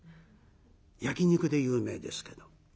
焼き肉で有名ですけど。